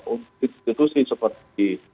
untuk institusi seperti